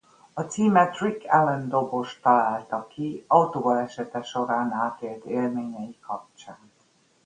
A címet Rick Allen dobos találta ki autóbalesete során átélt élményei kapcsán.